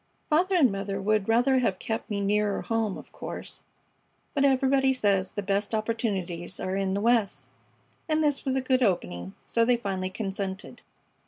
Father and mother would rather have kept me nearer home, of course, but everybody says the best opportunities are in the West, and this was a good opening, so they finally consented.